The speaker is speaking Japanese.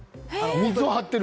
水を張ってる？